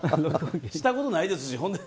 したことないですし。